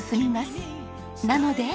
なので。